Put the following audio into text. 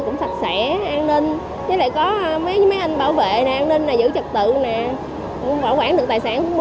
cũng bảo quản được tài sản của mình nữa